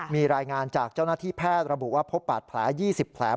มีรายงานจากเจ้าหน้าที่แพทย์ระบุว่าพบบาดแผล๒๐แผล